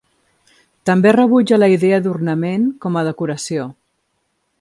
També rebutja la idea d'ornament com a decoració.